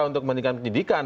untuk kepentingan pendidikan